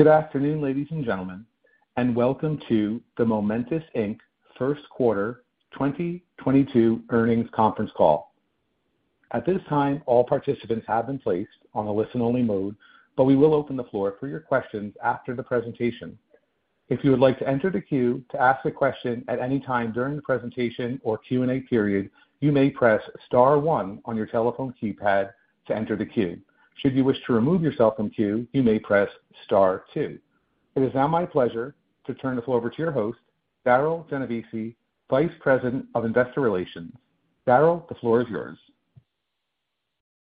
Good afternoon, ladies and gentlemen, and welcome to the Momentus Inc. Q1 2022 earnings conference call. At this time, all participants have been placed on a listen-only mode, but we will open the floor for your questions after the presentation. If you would like to enter the queue to ask a question at any time during the presentation or Q&A period, you may press star one on your telephone keypad to enter the queue. Should you wish to remove yourself from queue, you may press star two. It is now my pleasure to turn the floor over to your host, Darryl Genovesi, Vice President of Investor Relations. Darryl, the floor is yours.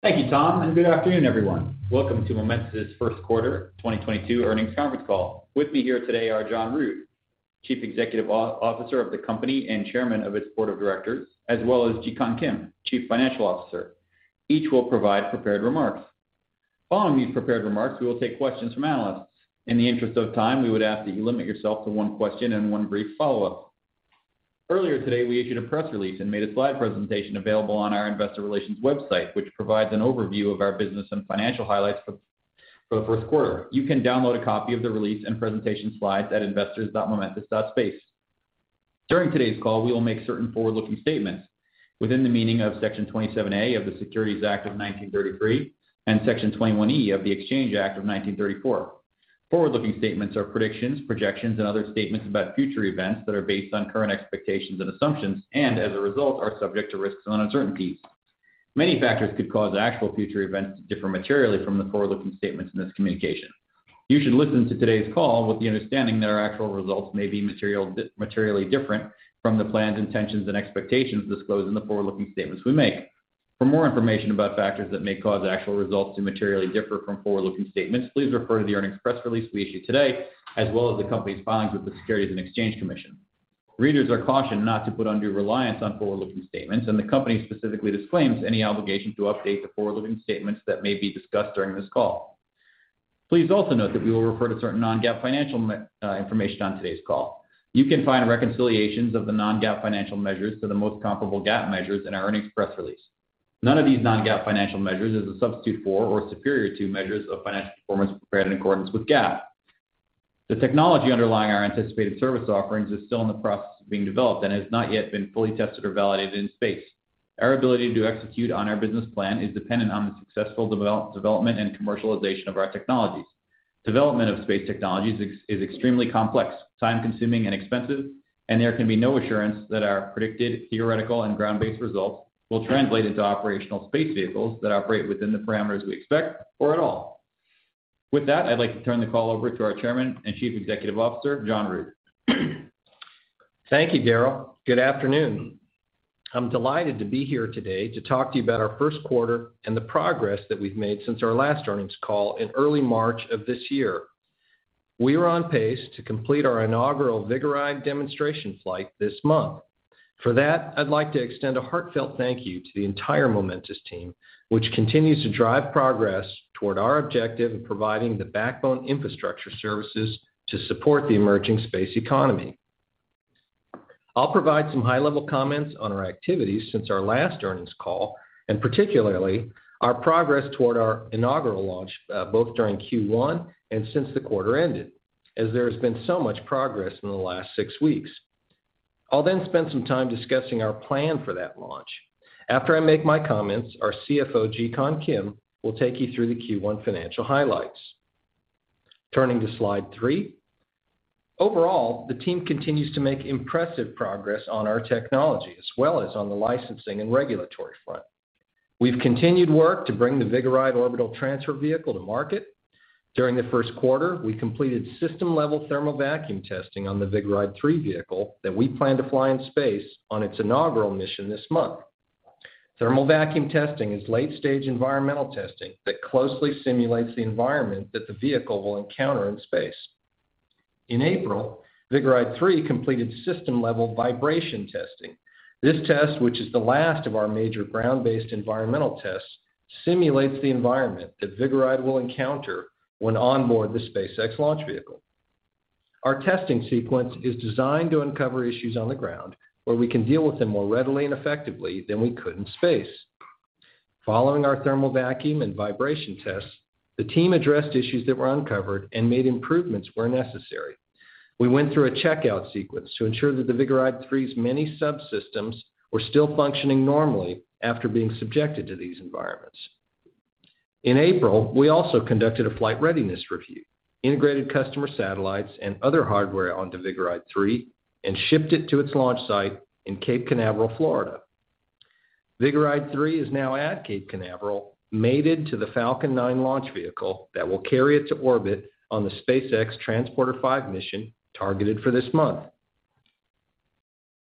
Thank you, Tom, and good afternoon, everyone. Welcome to Momentus' Q1 2022 earnings conference call. With me here today are John Rood, Chief Executive Officer of the company and chairman of its board of directors, as well as Jikun Kim, Chief Financial Officer. Each will provide prepared remarks. Following these prepared remarks, we will take questions from analysts. In the interest of time, we would ask that you limit yourself to one question and one brief follow-up. Earlier today, we issued a press release and made a slide presentation available on our investor relations website, which provides an overview of our business and financial highlights for the Q1. You can download a copy of the release and presentation slides at investors.momentus.space. During today's call, we will make certain forward-looking statements within the meaning of Section 27A of the Securities Act of 1933 and Section 21E of the Exchange Act of 1934. Forward-looking statements are predictions, projections, and other statements about future events that are based on current expectations and assumptions, and as a result, are subject to risks and uncertainties. Many factors could cause actual future events to differ materially from the forward-looking statements in this communication. You should listen to today's call with the understanding that our actual results may be materially different from the plans, intentions, and expectations disclosed in the forward-looking statements we make. For more information about factors that may cause actual results to materially differ from forward-looking statements, please refer to the earnings press release we issued today, as well as the company's filings with the Securities and Exchange Commission. Readers are cautioned not to put undue reliance on forward-looking statements, and the company specifically disclaims any obligation to update the forward-looking statements that may be discussed during this call. Please also note that we will refer to certain non-GAAP financial information on today's call. You can find reconciliations of the non-GAAP financial measures to the most comparable GAAP measures in our earnings press release. None of these non-GAAP financial measures is a substitute for or superior to measures of financial performance prepared in accordance with GAAP. The technology underlying our anticipated service offerings is still in the process of being developed and has not yet been fully tested or validated in space. Our ability to execute on our business plan is dependent on the successful development and commercialization of our technologies. Development of space technologies is extremely complex, time-consuming, and expensive, and there can be no assurance that our predicted theoretical and ground-based results will translate into operational space vehicles that operate within the parameters we expect or at all. With that, I'd like to turn the call over to our Chairman and Chief Executive Officer, John Rood. Thank you, Darryl. Good afternoon. I'm delighted to be here today to talk to you about our Q1 and the progress that we've made since our last earnings call in early March of this year. We are on pace to complete our inaugural Vigoride demonstration flight this month. For that, I'd like to extend a heartfelt thank you to the entire Momentus team, which continues to drive progress toward our objective of providing the backbone infrastructure services to support the emerging space economy. I'll provide some high-level comments on our activities since our last earnings call, and particularly our progress toward our inaugural launch, both during Q1 and since the quarter ended, as there has been so much progress in the last six weeks. I'll then spend some time discussing our plan for that launch. After I make my comments, our CFO, Jikun Kim, will take you through the Q1 financial highlights. Turning to slide 3. Overall, the team continues to make impressive progress on our technology as well as on the licensing and regulatory front. We've continued work to bring the Vigoride orbital transfer vehicle to market. During the first Q1, we completed system-level thermal vacuum testing on the Vigoride Three vehicle that we plan to fly in space on its inaugural mission this month. Thermal vacuum testing is late-stage environmental testing that closely simulates the environment that the vehicle will encounter in space. In April, Vigoride Three completed system-level vibration testing. This test, which is the last of our major ground-based environmental tests, simulates the environment that Vigoride will encounter when onboard the SpaceX launch vehicle. Our testing sequence is designed to uncover issues on the ground, where we can deal with them more readily and effectively than we could in space. Following our thermal vacuum and vibration tests, the team addressed issues that were uncovered and made improvements where necessary. We went through a checkout sequence to ensure that the Vigoride 3's many subsystems were still functioning normally after being subjected to these environments. In April, we also conducted a flight readiness review, integrated customer satellites and other hardware onto Vigoride 3, and shipped it to its launch site in Cape Canaveral, Florida. Vigoride 3 is now at Cape Canaveral, mated to the Falcon 9 launch vehicle that will carry it to orbit on the SpaceX Transporter 5 mission targeted for this month.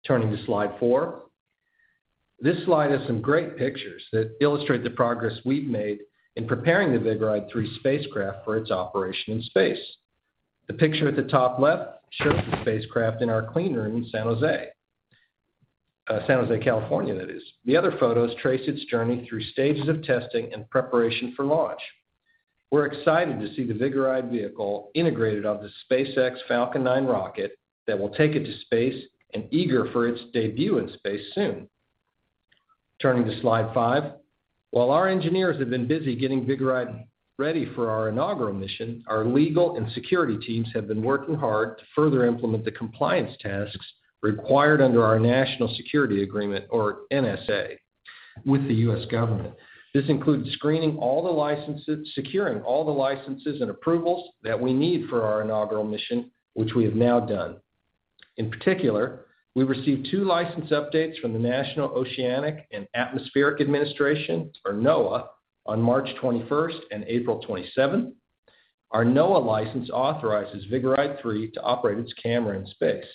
Turning to slide 4. This slide has some great pictures that illustrate the progress we've made in preparing the Vigoride Three spacecraft for its operation in space. The picture at the top left shows the spacecraft in our clean room in San Jose, California, that is. The other photos trace its journey through stages of testing and preparation for launch. We're excited to see the Vigoride vehicle integrated on the SpaceX Falcon 9 rocket that will take it to space and eager for its debut in space soon. Turning to slide 5. While our engineers have been busy getting Vigoride ready for our inaugural mission, our legal and security teams have been working hard to further implement the compliance tasks required under our National Security Agreement, or NSA, with the U.S. government. This includes screening all the licenses, securing all the licenses and approvals that we need for our inaugural mission, which we have now done. In particular, we received two license updates from the National Oceanic and Atmospheric Administration, or NOAA, on March 21st and April 27th. Our NOAA license authorizes Vigoride 3 to operate its camera in space.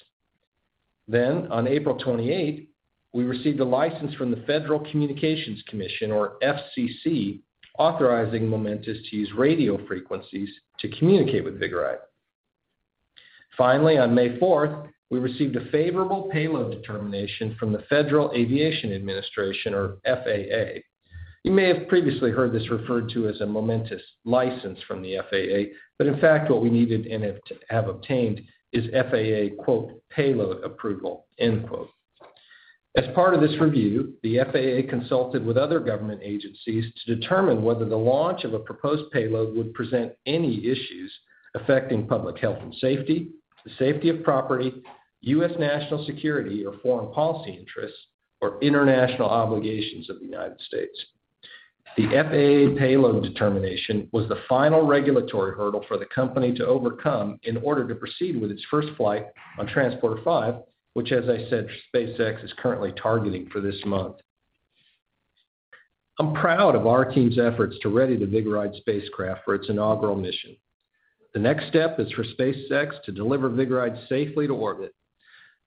On April 28th, we received a license from the Federal Communications Commission, or FCC, authorizing Momentus to use radio frequencies to communicate with Vigoride. Finally, on May 4th, we received a favorable payload determination from the Federal Aviation Administration, or FAA. You may have previously heard this referred to as a Momentus license from the FAA, but in fact what we needed and have obtained is FAA "payload approval". As part of this review, the FAA consulted with other government agencies to determine whether the launch of a proposed payload would present any issues affecting public health and safety, the safety of property, U.S. national security or foreign policy interests, or international obligations of the United States. The FAA payload determination was the final regulatory hurdle for the company to overcome in order to proceed with its first flight on Transporter-5, which as I said, SpaceX is currently targeting for this month. I'm proud of our team's efforts to ready the Vigoride spacecraft for its inaugural mission. The next step is for SpaceX to deliver Vigoride safely to orbit.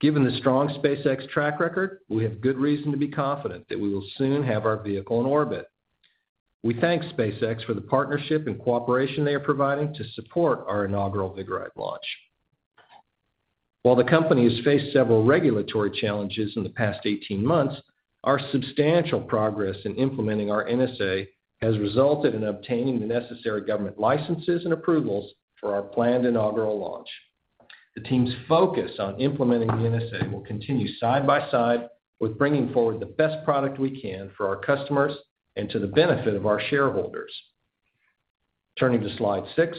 Given the strong SpaceX track record, we have good reason to be confident that we will soon have our vehicle in orbit. We thank SpaceX for the partnership and cooperation they are providing to support our inaugural Vigoride launch. While the company has faced several regulatory challenges in the past 18 months, our substantial progress in implementing our NSA has resulted in obtaining the necessary government licenses and approvals for our planned inaugural launch. The team's focus on implementing the NSA will continue side by side with bringing forward the best product we can for our customers and to the benefit of our shareholders. Turning to slide 6.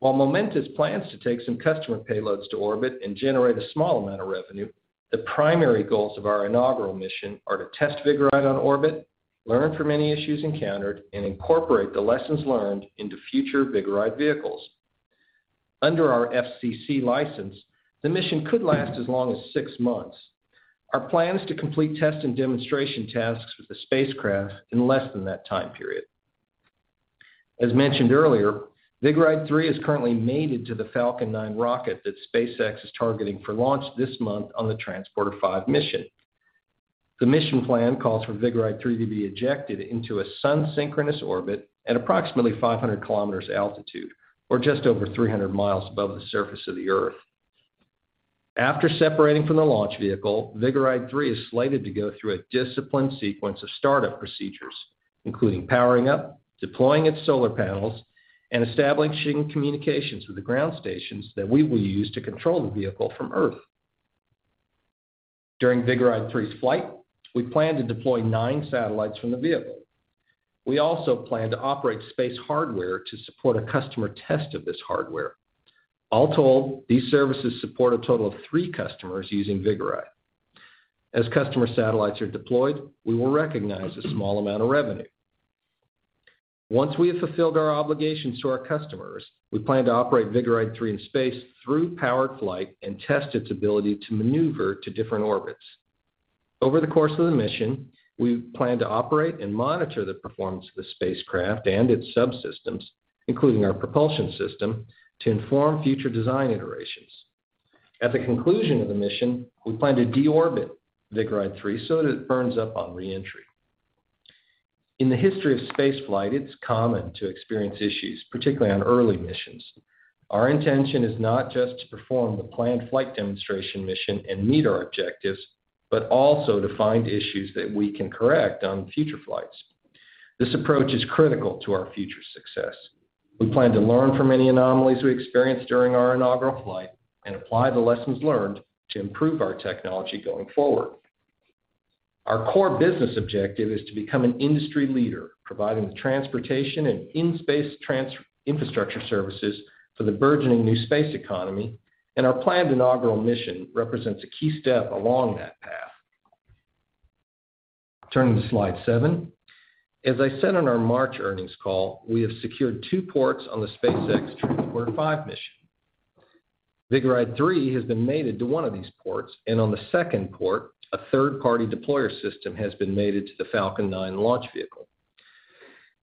While Momentus plans to take some customer payloads to orbit and generate a small amount of revenue, the primary goals of our inaugural mission are to test Vigoride on orbit, learn from any issues encountered, and incorporate the lessons learned into future Vigoride vehicles. Under our FCC license, the mission could last as long as six months. Our plan is to complete test and demonstration tasks with the spacecraft in less than that time period. As mentioned earlier, Vigoride 3 is currently mated to the Falcon 9 rocket that SpaceX is targeting for launch this month on the Transporter-5 mission. The mission plan calls for Vigoride 3 to be ejected into a sun-synchronous orbit at approximately 500 kilometers altitude, or just over 300 miles above the surface of the Earth. After separating from the launch vehicle, Vigoride 3 is slated to go through a disciplined sequence of startup procedures, including powering up, deploying its solar panels, and establishing communications with the ground stations that we will use to control the vehicle from Earth. During Vigoride 3's flight, we plan to deploy nine satellites from the vehicle. We also plan to operate space hardware to support a customer test of this hardware. All told, these services support a total of three customers using Vigoride. As customer satellites are deployed, we will recognize a small amount of revenue. Once we have fulfilled our obligations to our customers, we plan to operate Vigoride-3 in space through powered flight and test its ability to maneuver to different orbits. Over the course of the mission, we plan to operate and monitor the performance of the spacecraft and its subsystems, including our propulsion system, to inform future design iterations. At the conclusion of the mission, we plan to deorbit Vigoride-3 so that it burns up on reentry. In the history of spaceflight, it's common to experience issues, particularly on early missions. Our intention is not just to perform the planned flight demonstration mission and meet our objectives, but also to find issues that we can correct on future flights. This approach is critical to our future success. We plan to learn from any anomalies we experience during our inaugural flight and apply the lessons learned to improve our technology going forward. Our core business objective is to become an industry leader, providing the transportation and in-space infrastructure services for the burgeoning new space economy, and our planned inaugural mission represents a key step along that path. Turning to slide 7. As I said in our March earnings call, we have secured two ports on the SpaceX Transporter 5 mission. Vigoride 3 has been mated to one of these ports, and on the second port, a third-party deployer system has been mated to the Falcon 9 launch vehicle.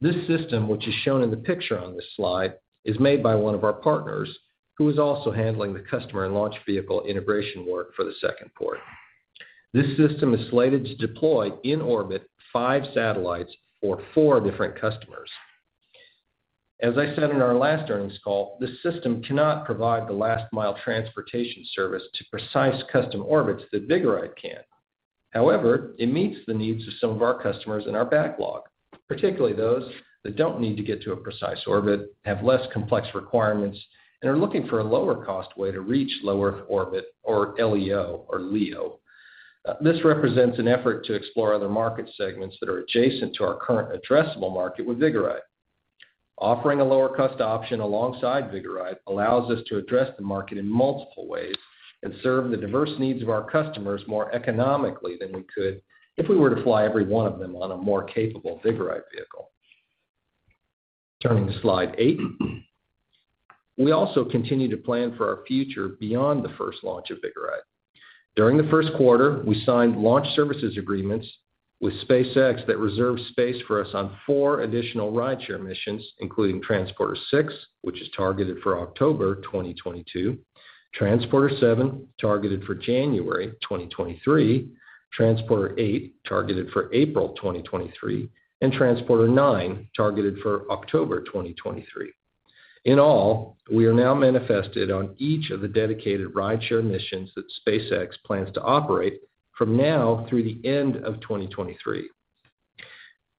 This system, which is shown in the picture on this slide, is made by one of our partners, who is also handling the customer and launch vehicle integration work for the second port. This system is slated to deploy in orbit five satellites for four different customers. As I said in our last earnings call, this system cannot provide the last mile transportation service to precise custom orbits that Vigoride can. However, it meets the needs of some of our customers in our backlog. Particularly those that don't need to get to a precise orbit, have less complex requirements, and are looking for a lower cost way to reach lower orbit or LEO. This represents an effort to explore other market segments that are adjacent to our current addressable market with Vigoride. Offering a lower-cost option alongside Vigoride allows us to address the market in multiple ways and serve the diverse needs of our customers more economically than we could if we were to fly every one of them on a more capable Vigoride vehicle. Turning to slide eight. We also continue to plan for our future beyond the first launch of Vigoride. During the Q1, we signed launch services agreements with SpaceX that reserves space for us on four additional rideshare missions, including Transporter-6, which is targeted for October 2022, Transporter-7, targeted for January 2023, Transporter-8, targeted for April 2023, and Transporter-9, targeted for October 2023. In all, we are now manifested on each of the dedicated rideshare missions that SpaceX plans to operate from now through the end of 2023.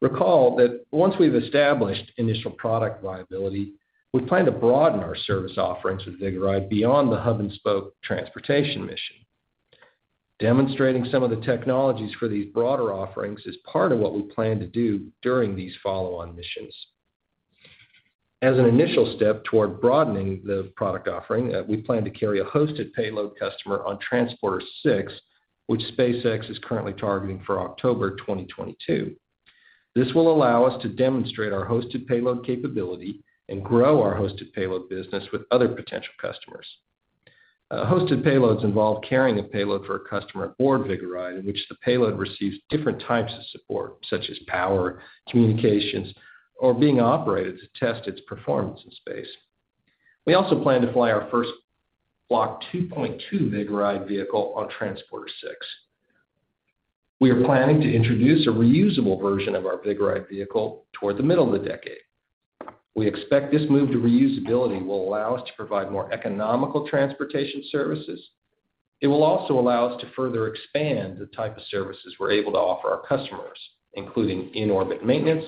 Recall that once we've established initial product viability, we plan to broaden our service offerings with Vigoride beyond the hub-and-spoke transportation mission. Demonstrating some of the technologies for these broader offerings is part of what we plan to do during these follow-on missions. As an initial step toward broadening the product offering, we plan to carry a hosted payload customer on Transporter Six, which SpaceX is currently targeting for October 2022. This will allow us to demonstrate our hosted payload capability and grow our hosted payload business with other potential customers. Hosted payloads involve carrying a payload for a customer aboard Vigoride, in which the payload receives different types of support, such as power, communications, or being operated to test its performance in space. We also plan to fly our first Block 2.2 Vigoride vehicle on Transporter Six. We are planning to introduce a reusable version of our Vigoride vehicle toward the middle of the decade. We expect this move to reusability will allow us to provide more economical transportation services. It will also allow us to further expand the type of services we're able to offer our customers, including in-orbit maintenance,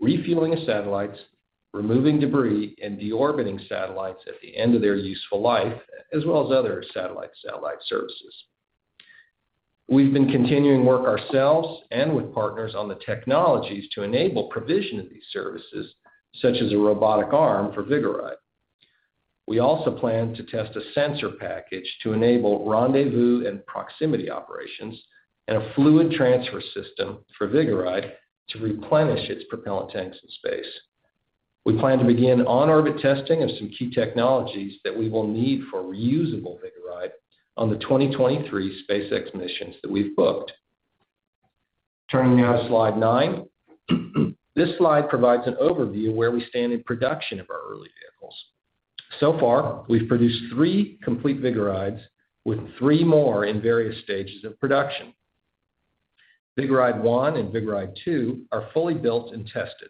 refueling of satellites, removing debris, and deorbiting satellites at the end of their useful life, as well as other satellite-to-satellite services. We've been continuing work ourselves and with partners on the technologies to enable provision of these services, such as a robotic arm for Vigoride. We also plan to test a sensor package to enable rendezvous and proximity operations and a fluid transfer system for Vigoride to replenish its propellant tanks in space. We plan to begin on-orbit testing of some key technologies that we will need for reusable Vigoride on the 2023 SpaceX missions that we've booked. Turning now to slide nine. This slide provides an overview of where we stand in production of our early vehicles. So far, we've produced three complete Vigorides with three more in various stages of production. Vigoride one and Vigoride two are fully built and tested.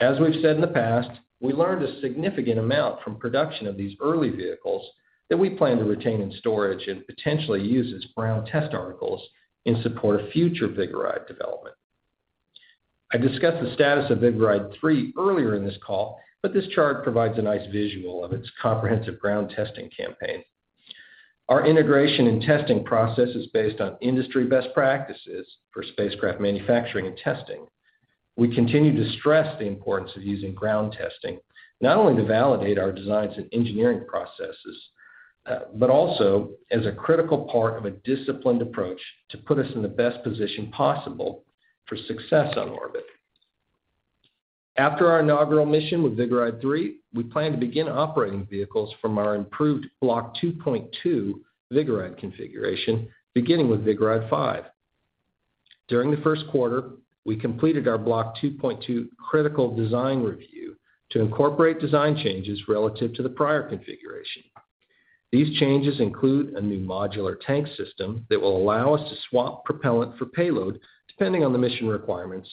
As we've said in the past, we learned a significant amount from production of these early vehicles that we plan to retain in storage and potentially use as ground test articles in support of future Vigoride development. I discussed the status of Vigoride three earlier in this call, but this chart provides a nice visual of its comprehensive ground testing campaign. Our integration and testing process is based on industry best practices for spacecraft manufacturing and testing. We continue to stress the importance of using ground testing, not only to validate our designs and engineering processes, but also as a critical part of a disciplined approach to put us in the best position possible for success on orbit. After our inaugural mission with Vigoride-3, we plan to begin operating vehicles from our improved Block 2.2 Vigoride configuration, beginning with Vigoride-5. During the Q1, we completed our Block 2.2 critical design review to incorporate design changes relative to the prior configuration. These changes include a new modular tank system that will allow us to swap propellant for payload depending on the mission requirements,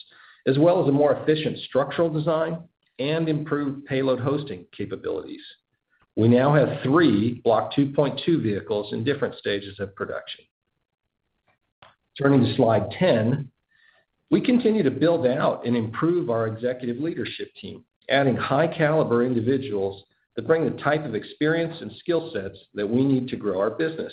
as well as a more efficient structural design and improved payload hosting capabilities. We now have 3 Block 2.2 vehicles in different stages of production. Turning to slide 10. We continue to build out and improve our executive leadership team, adding high-caliber individuals that bring the type of experience and skill sets that we need to grow our business.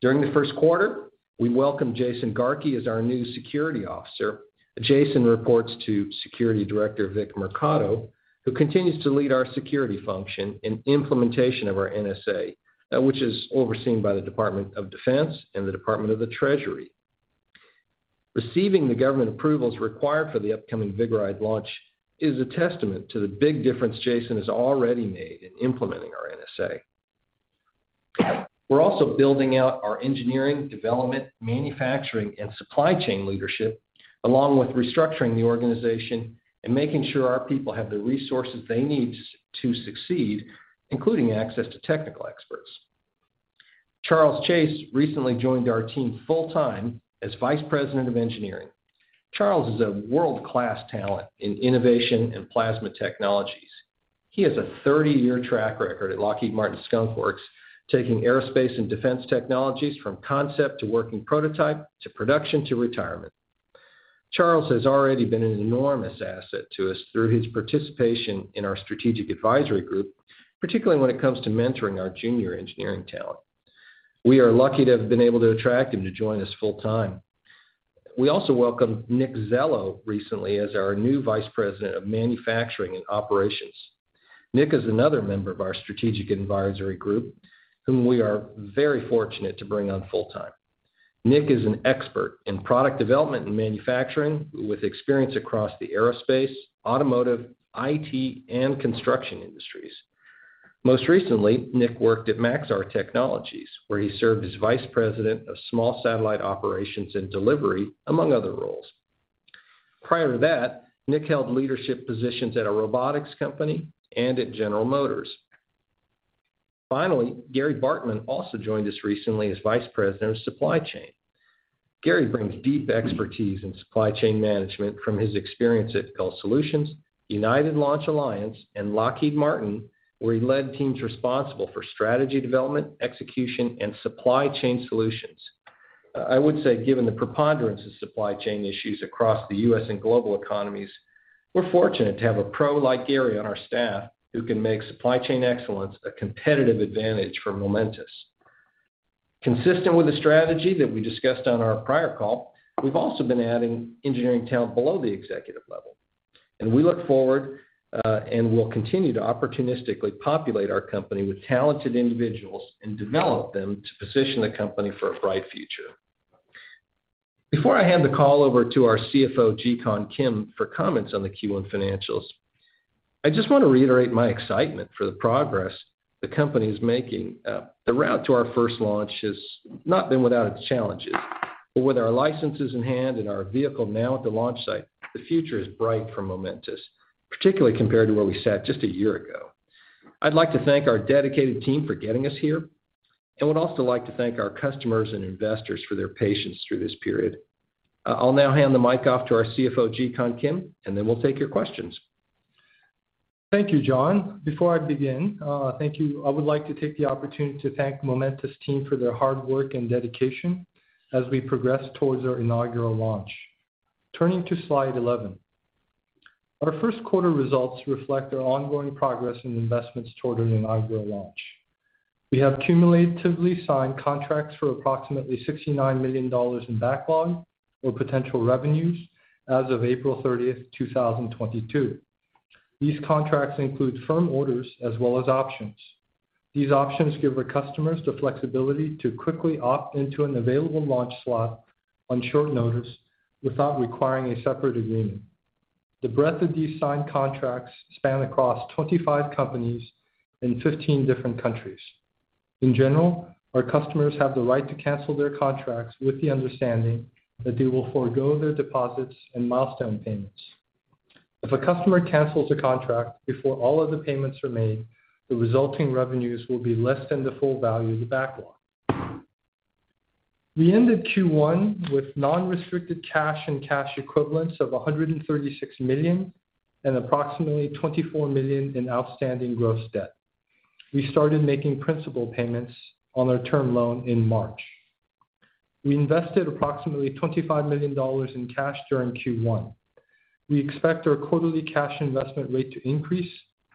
During the Q1, we welcomed Jason Garkey as our new Security Officer. Jason reports to Security Director Vic Mercado, who continues to lead our security function in implementation of our NSA, which is overseen by the Department of Defense and the Department of the Treasury. Receiving the government approvals required for the upcoming Vigoride launch is a testament to the big difference Jason has already made in implementing our NSA. We're also building out our engineering, development, manufacturing, and supply chain leadership, along with restructuring the organization and making sure our people have the resources they need to succeed, including access to technical experts. Charles Chase recently joined our team full-time as Vice President of Engineering. Charles is a world-class talent in innovation and plasma technologies. He has a 30-year track record at Lockheed Martin Skunk Works, taking aerospace and defense technologies from concept to working prototype to production to retirement. Charles has already been an enormous asset to us through his participation in our strategic advisory group, particularly when it comes to mentoring our junior engineering talent. We are lucky to have been able to attract him to join us full-time. We also welcomed Nick Zello recently as our new Vice President of Manufacturing and Operations. Nick is another member of our strategic advisory group whom we are very fortunate to bring on full-time. Nick is an expert in product development and manufacturing, with experience across the aerospace, automotive, IT, and construction industries. Most recently, Nick worked at Maxar Technologies, where he served as Vice President of Small Satellite Operations and Delivery, among other roles. Prior to that, Nick held leadership positions at a robotics company and at General Motors. Finally, Gary Bartmann also joined us recently as Vice President of Supply Chain. Gary brings deep expertise in supply chain management from his experience at GULL Solutions, United Launch Alliance, and Lockheed Martin, where he led teams responsible for strategy development, execution, and supply chain solutions. I would say given the preponderance of supply chain issues across the US and global economies, we're fortunate to have a pro like Gary on our staff who can make supply chain excellence a competitive advantage for Momentus. Consistent with the strategy that we discussed on our prior call, we've also been adding engineering talent below the executive level, and we look forward, and will continue to opportunistically populate our company with talented individuals and develop them to position the company for a bright future. Before I hand the call over to our CFO, Jikun Kim, for comments on the Q1 financials, I just want to reiterate my excitement for the progress the company is making. The route to our first launch has not been without its challenges. With our licenses in hand and our vehicle now at the launch site, the future is bright for Momentus, particularly compared to where we sat just a year ago. I'd like to thank our dedicated team for getting us here and would also like to thank our customers and investors for their patience through this period. I'll now hand the mic off to our CFO, Jikun Kim, and then we'll take your questions. Thank you, John. Before I begin, thank you. I would like to take the opportunity to thank Momentus team for their hard work and dedication as we progress towards our inaugural launch. Turning to slide 11. Our Q1 results reflect our ongoing progress and investments toward our inaugural launch. We have cumulatively signed contracts for approximately $69 million in backlog or potential revenues as of April 30, 2022. These contracts include firm orders as well as options. These options give our customers the flexibility to quickly opt into an available launch slot on short notice without requiring a separate agreement. The breadth of these signed contracts span across 25 companies in 15 different countries. In general, our customers have the right to cancel their contracts with the understanding that they will forgo their deposits and milestone payments. If a customer cancels a contract before all of the payments are made, the resulting revenues will be less than the full value of the backlog. We ended Q1 with non-restricted cash and cash equivalents of $136 million and approximately $24 million in outstanding gross debt. We started making principal payments on our term loan in March. We invested approximately $25 million in cash during Q1. We expect our quarterly cash investment rate to increase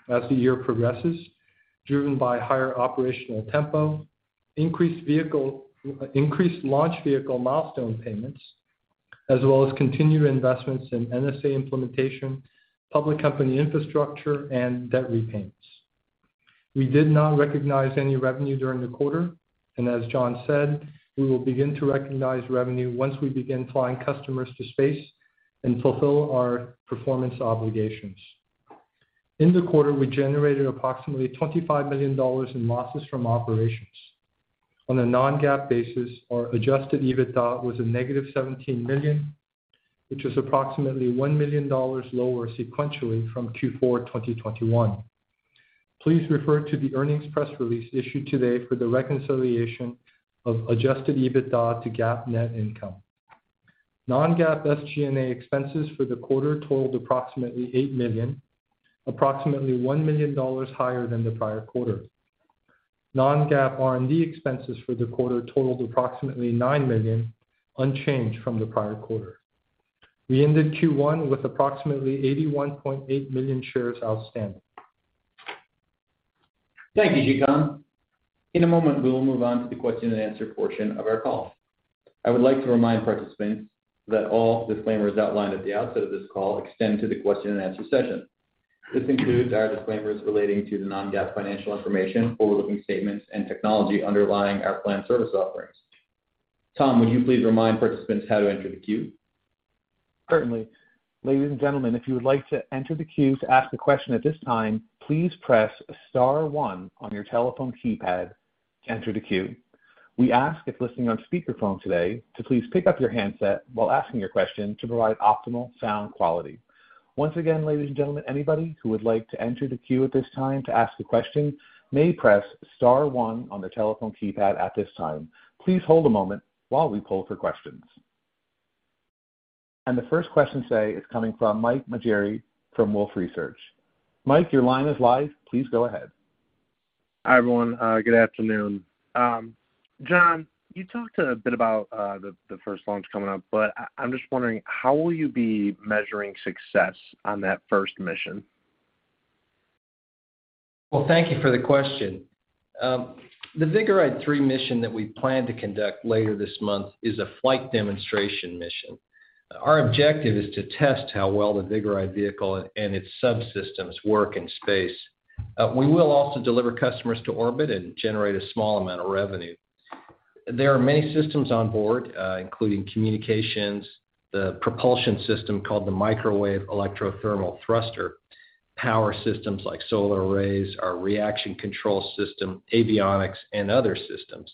as the year progresses, driven by higher operational tempo, increased launch vehicle milestone payments, as well as continued investments in NSA implementation, public company infrastructure, and debt repayments. We did not recognize any revenue during the quarter, and as John said, we will begin to recognize revenue once we begin flying customers to space and fulfill our performance obligations. In the quarter, we generated approximately $25 million in losses from operations. On a non-GAAP basis, our adjusted EBITDA was a negative $17 million, which is approximately $1 million lower sequentially from Q4 2021. Please refer to the earnings press release issued today for the reconciliation of adjusted EBITDA to GAAP net income. Non-GAAP SG&A expenses for the quarter totaled approximately $8 million, approximately $1 million higher than the prior quarter. Non-GAAP R&D expenses for the quarter totaled approximately $9 million, unchanged from the prior quarter. We ended Q1 with approximately 81.8 million shares outstanding. Thank you, Jikun Kim. In a moment, we will move on to the question and answer portion of our call. I would like to remind participants that all disclaimers outlined at the outset of this call extend to the question and answer session. This includes our disclaimers relating to the non-GAAP financial information, forward-looking statements and technology underlying our planned service offerings. Tom, would you please remind participants how to enter the queue? Certainly. Ladies and gentlemen, if you would like to enter the queue to ask a question at this time, please press star one on your telephone keypad to enter the queue. We ask if listening on speaker phone today to please pick up your handset while asking your question to provide optimal sound quality. Once again, ladies and gentlemen, anybody who would like to enter the queue at this time to ask a question may press star one on the telephone keypad at this time. Please hold a moment while we poll for questions. The first question today is coming from Michael Maugeri from Wolfe Research. Mike, your line is live. Please go ahead. Hi, everyone. Good afternoon. John, you talked a bit about the first launch coming up, but I'm just wondering how will you be measuring success on that first mission? Well, thank you for the question. The Vigoride 3 mission that we plan to conduct later this month is a flight demonstration mission. Our objective is to test how well the Vigoride vehicle and its subsystems work in space. We will also deliver customers to orbit and generate a small amount of revenue. There are many systems on board, including communications, the propulsion system called the Microwave Electrothermal Thruster, power systems like solar arrays, our reaction control system, avionics, and other systems.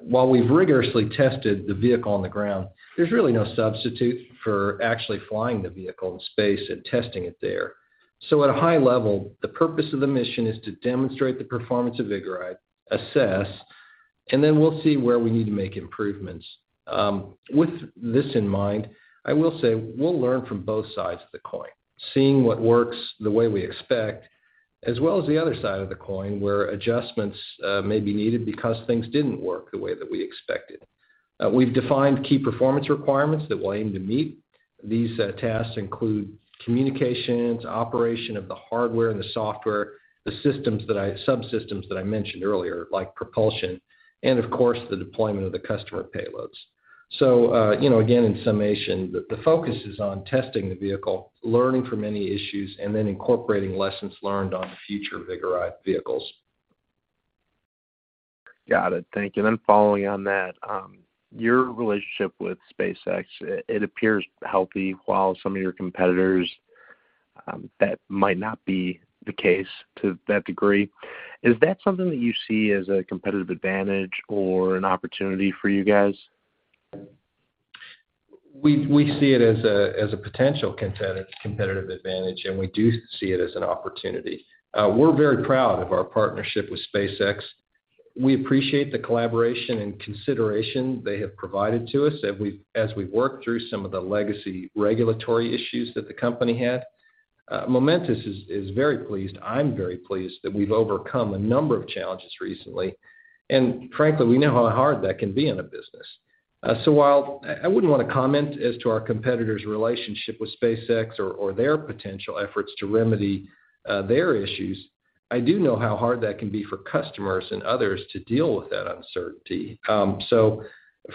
While we've rigorously tested the vehicle on the ground, there's really no substitute for actually flying the vehicle in space and testing it there. At a high level, the purpose of the mission is to demonstrate the performance of Vigoride, assess, and then we'll see where we need to make improvements. With this in mind, I will say we'll learn from both sides of the coin, seeing what works the way we expect, as well as the other side of the coin, where adjustments may be needed because things didn't work the way that we expected. We've defined key performance requirements that we'll aim to meet. These tasks include communications, operation of the hardware and the software, subsystems that I mentioned earlier, like propulsion, and of course, the deployment of the customer payloads. You know, again, in summation, the focus is on testing the vehicle, learning from any issues, and then incorporating lessons learned on future Vigoride vehicles. Got it. Thank you. Following on that, your relationship with SpaceX, it appears healthy while some of your competitors, that might not be the case to that degree. Is that something that you see as a competitive advantage or an opportunity for you guys? We see it as a potential competitive advantage, and we do see it as an opportunity. We're very proud of our partnership with SpaceX. We appreciate the collaboration and consideration they have provided to us as we've worked through some of the legacy regulatory issues that the company had. Momentus is very pleased, I'm very pleased that we've overcome a number of challenges recently. Frankly, we know how hard that can be in a business. While I wouldn't wanna comment as to our competitors' relationship with SpaceX or their potential efforts to remedy their issues, I do know how hard that can be for customers and others to deal with that uncertainty.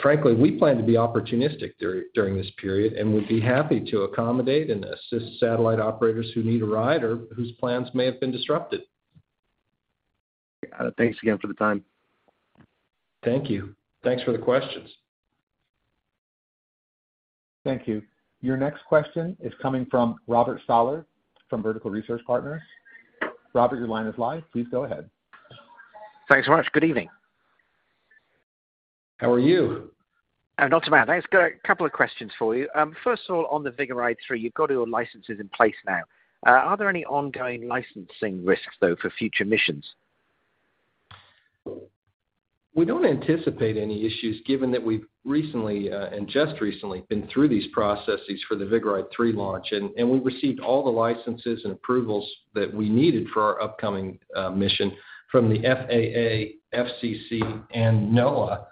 Frankly, we plan to be opportunistic during this period, and we'd be happy to accommodate and assist satellite operators who need a ride or whose plans may have been disrupted. Got it. Thanks again for the time. Thank you. Thanks for the questions. Thank you. Your next question is coming from Robert Stallard from Vertical Research Partners. Robert, your line is live. Please go ahead. Thanks so much. Good evening. How are you? I'm not too bad. Thanks. Got a couple of questions for you. First of all, on the Vigoride 3, you've got all your licenses in place now. Are there any ongoing licensing risks though for future missions? We don't anticipate any issues given that we've just recently been through these processes for the Vigoride Three launch. We've received all the licenses and approvals that we needed for our upcoming mission from the FAA, FCC, and NOAA.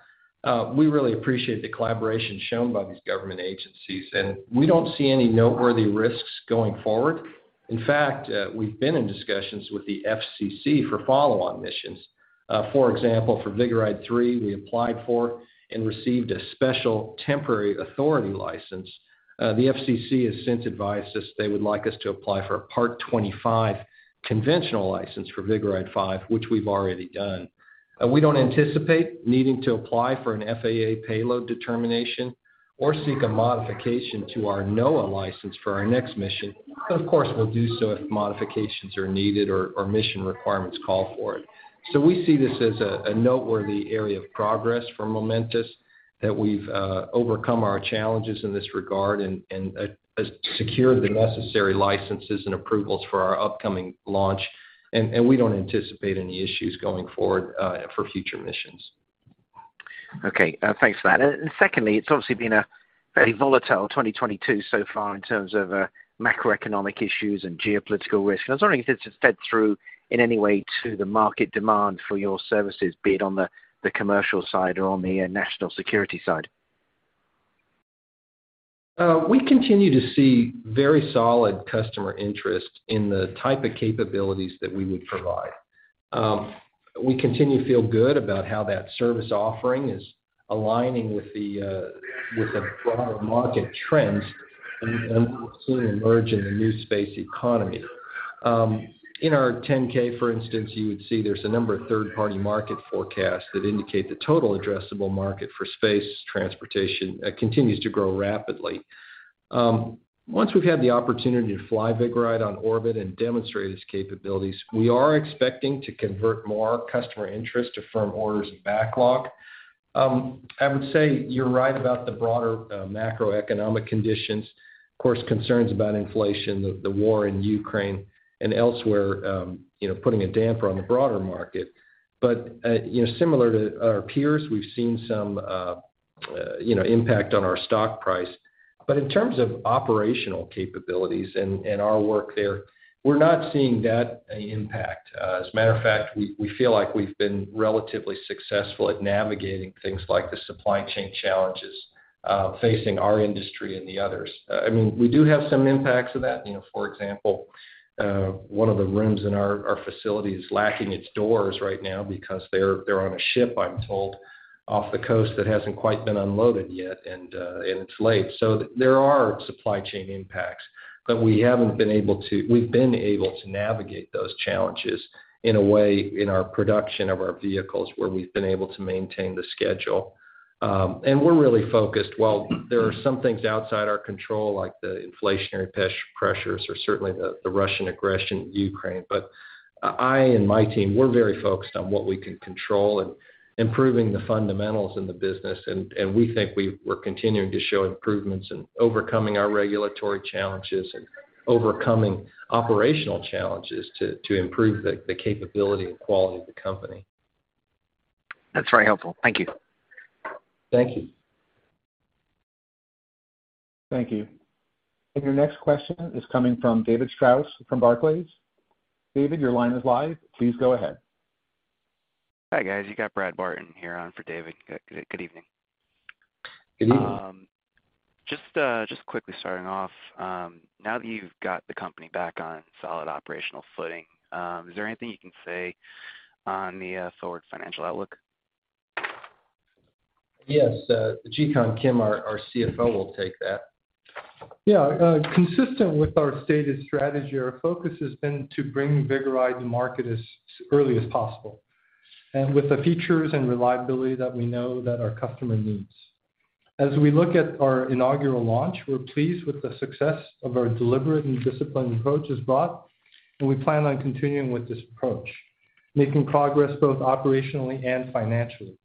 We really appreciate the collaboration shown by these government agencies, and we don't see any noteworthy risks going forward. In fact, we've been in discussions with the FCC for follow-on missions. For example, for Vigoride Three, we applied for and received a special temporary authority license. The FCC has since advised us they would like us to apply for a Part 25 conventional license for Vigoride Five, which we've already done. We don't anticipate needing to apply for an FAA payload determination or seek a modification to our NOAA license for our next mission, but of course, we'll do so if modifications are needed or mission requirements call for it. We see this as a noteworthy area of progress for Momentus, that we've overcome our challenges in this regard and secured the necessary licenses and approvals for our upcoming launch. We don't anticipate any issues going forward for future missions. Okay. Thanks for that. Secondly, it's obviously been a very volatile 2022 so far in terms of macroeconomic issues and geopolitical risk. I was wondering if this has fed through in any way to the market demand for your services, be it on the commercial side or on the national security side. We continue to see very solid customer interest in the type of capabilities that we would provide. We continue to feel good about how that service offering is aligning with the broader market trends and what we're seeing emerge in the new space economy. In our 10-K, for instance, you would see there's a number of third-party market forecasts that indicate the total addressable market for space transportation continues to grow rapidly. Once we've had the opportunity to fly Vigoride on orbit and demonstrate its capabilities, we are expecting to convert more customer interest to firm orders and backlog. I would say you're right about the broader macroeconomic conditions. Of course, concerns about inflation, the war in Ukraine and elsewhere, you know, putting a damper on the broader market. You know, similar to our peers, we've seen some impact on our stock price. In terms of operational capabilities and our work there, we're not seeing that impact. As a matter of fact, we feel like we've been relatively successful at navigating things like the supply chain challenges facing our industry and the others. I mean, we do have some impacts of that. You know, for example, one of the rooms in our facility is lacking its doors right now because they're on a ship, I'm told, off the coast that hasn't quite been unloaded yet and it's late. There are supply chain impacts. We've been able to navigate those challenges in a way in our production of our vehicles where we've been able to maintain the schedule. We're really focused. While there are some things outside our control, like the inflationary pressures or certainly the Russian aggression in Ukraine. My team and I, we're very focused on what we can control and improving the fundamentals in the business, and we think we're continuing to show improvements in overcoming our regulatory challenges and overcoming operational challenges to improve the capability and quality of the company. That's very helpful. Thank you. Thank you. Thank you. Your next question is coming from David Strauss from Barclays. David, your line is live. Please go ahead. Hi, guys. You got Brad Barton here on for David. Good evening. Good evening. Just quickly starting off, now that you've got the company back on solid operational footing, is there anything you can say on the forward financial outlook? Yes. Jikun Kim, our CFO will take that. Yeah. Consistent with our stated strategy, our focus has been to bring Vigoride to market as early as possible, and with the features and reliability that we know that our customer needs. As we look at our inaugural launch, we're pleased with the success of our deliberate and disciplined approach thus far, and we plan on continuing with this approach, making progress both operationally and financially.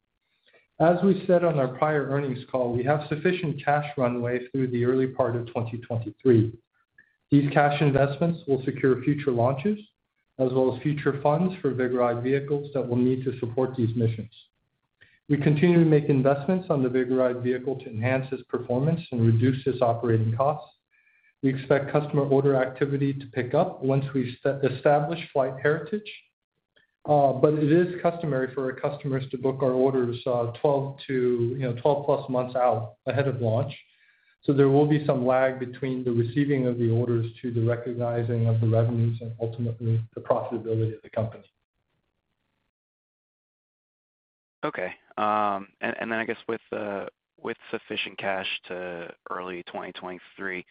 As we said on our prior earnings call, we have sufficient cash runway through the early part of 2023. These cash investments will secure future launches as well as future funds for Vigoride vehicles that we'll need to support these missions. We continue to make investments on the Vigoride vehicle to enhance its performance and reduce its operating costs. We expect customer order activity to pick up once we've established flight heritage. It is customary for our customers to book our orders 12 to, you know, 12+ months out ahead of launch. There will be some lag between the receiving of the orders to the recognizing of the revenues and ultimately the profitability of the company. Okay. I guess with sufficient cash to early 2023,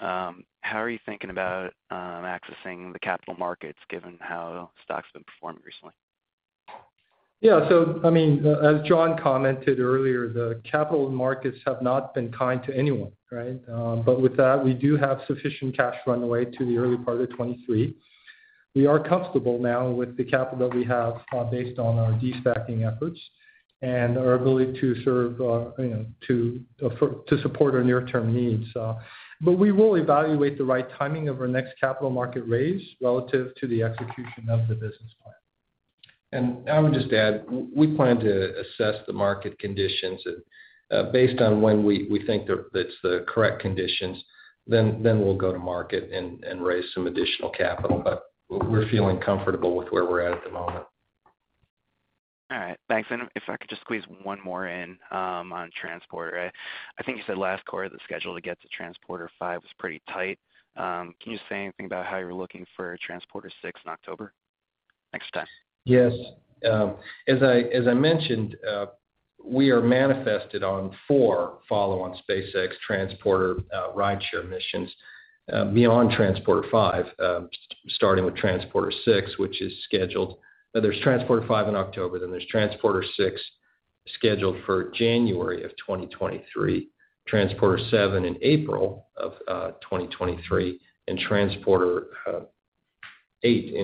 how are you thinking about accessing the capital markets given how the stock's been performing recently? I mean, as John commented earlier, the capital markets have not been kind to anyone, right? With that, we do have sufficient cash runway to the early part of 2023. We are comfortable now with the capital that we have, based on our destacking efforts and our ability to, you know, support our near-term needs. We will evaluate the right timing of our next capital market raise relative to the execution of the business plan. I would just add, we plan to assess the market conditions. Based on when we think that it's the correct conditions, then we'll go to market and raise some additional capital. We're feeling comfortable with where we're at the moment. All right. Thanks. If I could just squeeze one more in, on Transporter. I think you said last quarter the schedule to get to Transporter-V was pretty tight. Can you just say anything about how you're looking for Transporter-VI in October next time? Yes. As I mentioned, we are manifested on four follow-on SpaceX Transporter rideshare missions beyond Transporter-V, starting with Transporter-VI, which is scheduled. There's Transporter-V in October, then there's Transporter-VI scheduled for January 2023, Transporter-VII in April 2023, and Transporter VIII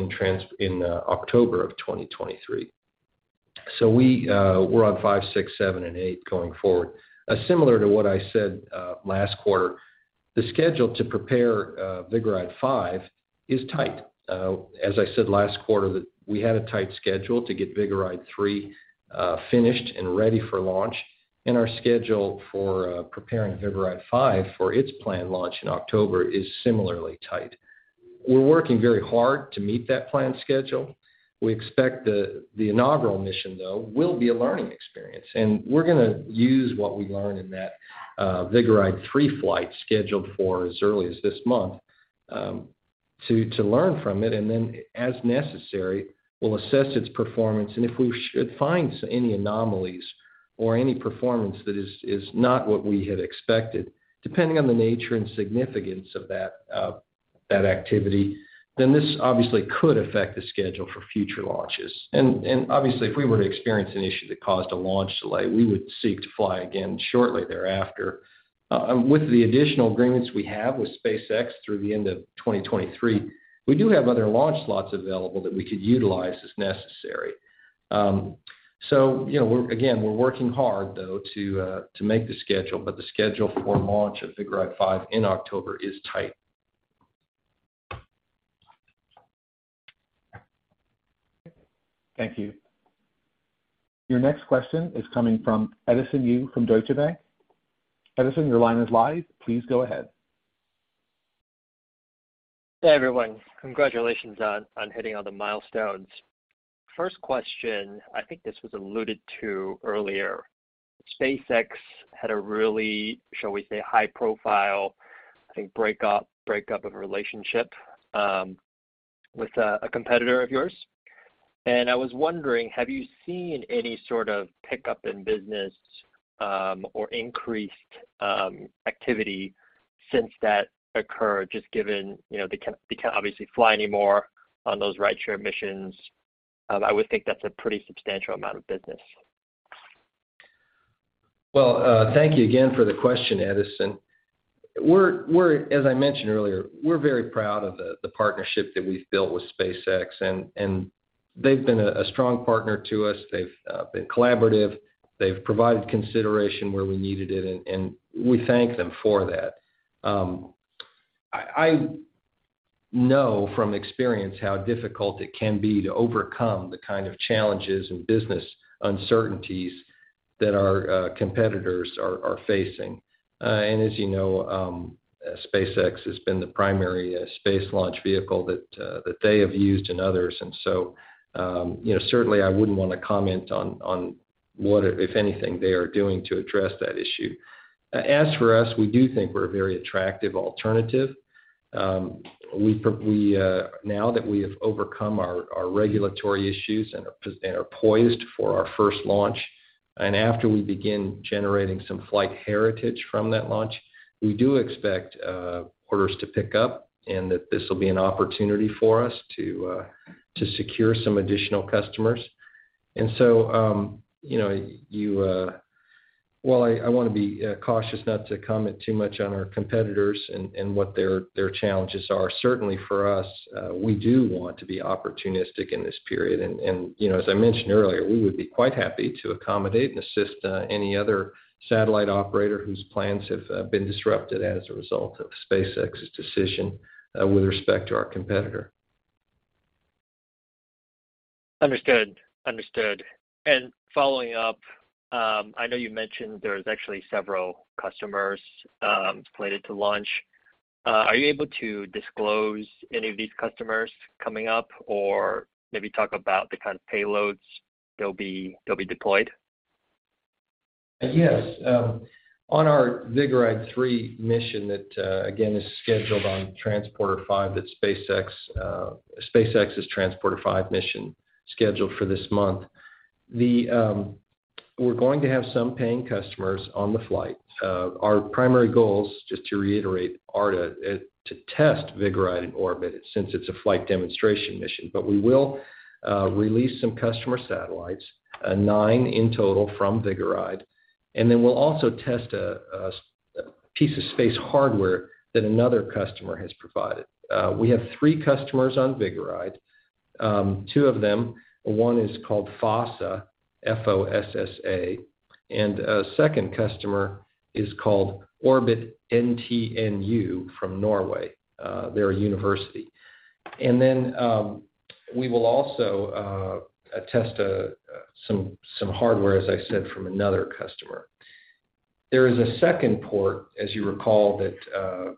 in October 2023. We're on V, VI, VII, and VIII going forward. Similar to what I said last quarter, the schedule to prepare Vigoride-V is tight. As I said last quarter, that we had a tight schedule to get Vigoride-III finished and ready for launch, and our schedule for preparing Vigoride-V for its planned launch in October is similarly tight. We're working very hard to meet that planned schedule. We expect the inaugural mission, though, will be a learning experience, and we're gonna use what we learn in that Vigoride-III flight scheduled for as early as this month, to learn from it. Then as necessary, we'll assess its performance. If we should find any anomalies or any performance that is not what we had expected, depending on the nature and significance of that activity, then this obviously could affect the schedule for future launches. Obviously, if we were to experience an issue that caused a launch delay, we would seek to fly again shortly thereafter. With the additional agreements we have with SpaceX through the end of 2023, we do have other launch slots available that we could utilize as necessary. You know, again, we're working hard though, to make the schedule, but the schedule for launch of Vigoride-V in October is tight. Thank you. Your next question is coming from Edison Yu from Deutsche Bank. Edison, your line is live. Please go ahead. Hey, everyone. Congratulations on hitting all the milestones. First question, I think this was alluded to earlier. SpaceX had a really, shall we say, high profile breakup of a relationship with a competitor of yours. I was wondering, have you seen any sort of pickup in business or increased activity since that occurred, just given, you know, they can't obviously fly anymore on those rideshare missions. I would think that's a pretty substantial amount of business. Well, thank you again for the question, Edison. As I mentioned earlier, we're very proud of the partnership that we've built with SpaceX, and they've been a strong partner to us. They've been collaborative. They've provided consideration where we needed it, and we thank them for that. I know from experience how difficult it can be to overcome the kind of challenges and business uncertainties that our competitors are facing. As you know, SpaceX has been the primary space launch vehicle that they have used and others. You know, certainly I wouldn't wanna comment on what, if anything, they are doing to address that issue. As for us, we do think we're a very attractive alternative. We now that we have overcome our regulatory issues and are poised for our first launch, and after we begin generating some flight heritage from that launch, we do expect orders to pick up and that this will be an opportunity for us to secure some additional customers. You know, well, I wanna be cautious not to comment too much on our competitors and what their challenges are. Certainly for us, we do want to be opportunistic in this period. You know, as I mentioned earlier, we would be quite happy to accommodate and assist any other satellite operator whose plans have been disrupted as a result of SpaceX's decision with respect to our competitor. Understood. Following up, I know you mentioned there's actually several customers slated to launch. Are you able to disclose any of these customers coming up or maybe talk about the kind of payloads that'll be deployed? Yes. On our Vigoride-3 mission that again is scheduled on Transporter-5, SpaceX's Transporter-5 mission scheduled for this month. We're going to have some paying customers on the flight. Our primary goals, just to reiterate, are to test Vigoride in orbit since it's a flight demonstration mission. But we will release some customer satellites, nine in total from Vigoride, and then we'll also test a piece of space hardware that another customer has provided. We have three customers on Vigoride, two of them, one is called FOSSA, F-O-S-S-A, and a second customer is called ORBIT NTNU from Norway. They're a university. We will also test some hardware, as I said, from another customer. There is a second port, as you recall, that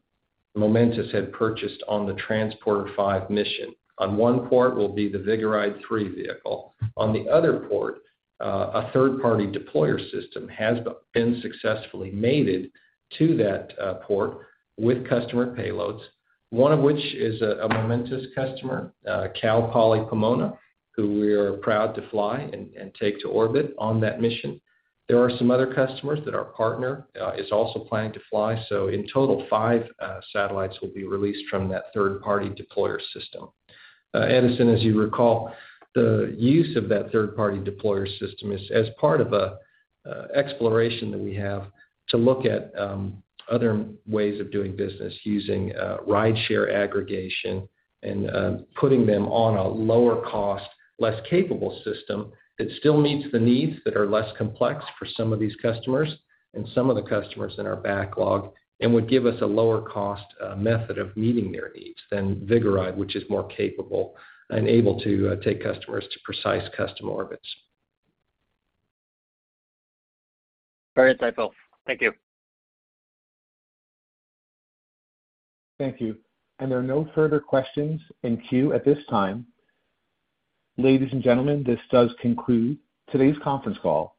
Momentus had purchased on the Transporter 5 mission. On one port will be the Vigoride-3 vehicle. On the other port, a third-party deployer system has been successfully mated to that port with customer payloads, one of which is a Momentus customer, Cal Poly Pomona, who we are proud to fly and take to orbit on that mission. There are some other customers that our partner is also planning to fly. In total, 5 satellites will be released from that third-party deployer system. Edison, as you recall, the use of that third-party deployer system is as part of an exploration that we have to look at other ways of doing business using rideshare aggregation and putting them on a lower cost, less capable system that still meets the needs that are less complex for some of these customers and some of the customers in our backlog and would give us a lower cost method of meeting their needs than Vigoride, which is more capable and able to take customers to precise customer orbits. Very insightful. Thank you. Thank you. There are no further questions in queue at this time. Ladies and gentlemen, this does conclude today's conference call.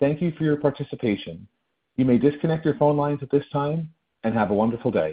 Thank you for your participation. You may disconnect your phone lines at this time, and have a wonderful day.